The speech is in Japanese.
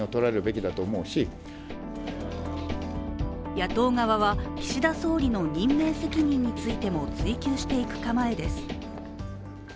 野党側は、岸田総理の任命責任についても追及していく構えです。